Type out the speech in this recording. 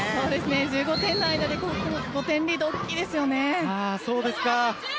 １５点の間で５点リード大きいですよね。